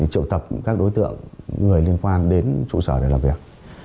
triệu tập các đối tượng những người liên quan đến trụ sở để làm việc